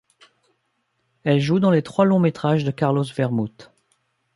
Elle joue dans les trois longs-métrages de Carlos Vermut.